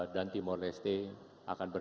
dan tinggi sekali